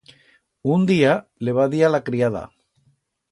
Un día le va dir a la criada.